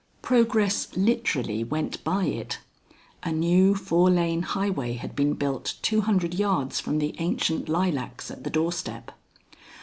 Progress literally went by it: a new four lane highway had been built two hundred yards from the ancient lilacs at the doorstep.